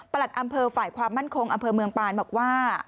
อำเภอฝ่ายความมั่นคงอำเภอเมืองปานบอกว่า